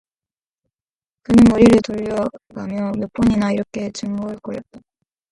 그는 머리를 돌려 가며 몇 번이나 이렇게 중얼거렸다.